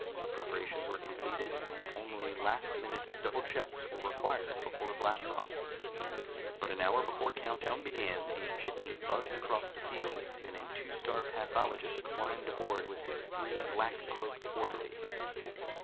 Preparations were completed, and only last minute double checks were required before blast off. But an hour before count down began, a jitney buzzed across the field, and a Two star Pathologist climbed aboard with his three black cloaked orderlies.